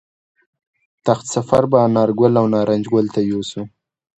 تخت سفر به انارګل او نارنج ګل ته یوسو